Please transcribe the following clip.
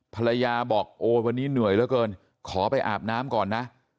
ภรรยาบอกโอ้ยวันนี้เหนื่อยเหลือเกินขอไปอาบน้ำก่อนนะ